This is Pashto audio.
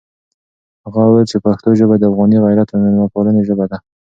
هغه وویل چې پښتو ژبه د افغاني غیرت او مېلمه پالنې ژبه ده.